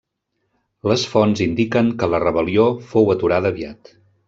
Les fonts indiquen que la rebel·lió fou aturada aviat.